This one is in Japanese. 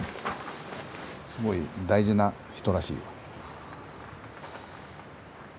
すごい大事な人らしいよ。